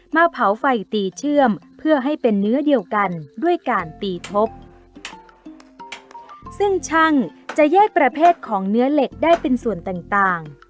มาเผาไฟตีเชื่อมเพื่อให้เป็นเนื้อเดียวกันด้วยการตีทบซึ่งช่างจะแยกประเภทของเนื้อเหล็กได้เป็นส่วนต่างต่าง